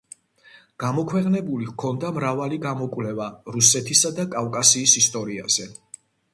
გამოქვეყნებული ჰქონდა მრავალი გამოკვლევა რუსეთისა და კავკასიის ისტორიაზე.